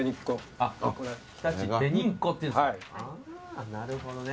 あぁーなるほどね。